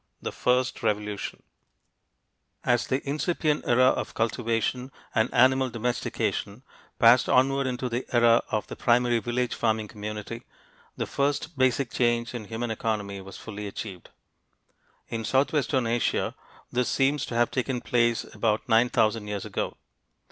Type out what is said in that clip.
THE First Revolution As the incipient era of cultivation and animal domestication passed onward into the era of the primary village farming community, the first basic change in human economy was fully achieved. In southwestern Asia, this seems to have taken place about nine thousand years ago.